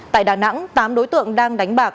tại đà nẵng tám đối tượng đang đánh bạc